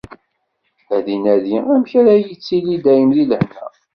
Ad inadi amek ara yettili dayem di lehna.